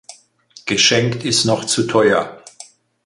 Geschenkt ist noch zu teuer.